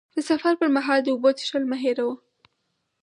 د سفر پر مهال د اوبو څښل مه هېروه.